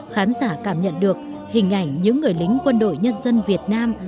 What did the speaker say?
khán giả cảm nhận được hình ảnh những người lính quân đội nhân dân việt nam